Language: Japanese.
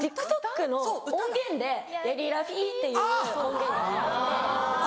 ＴｉｋＴｏｋの音源で「ヤリラフィー」っていう音源があって。